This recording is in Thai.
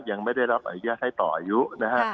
ยังไม่ได้รับอนุญาตให้ต่ออายุนะฮะ